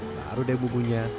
baru deh bumbunya